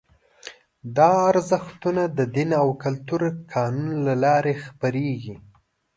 دا ارزښتونه د دین، کلتور او قانون له لارې خپرېږي.